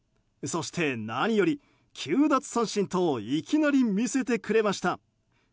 そして、何より９奪三振といきなり見せてくれました。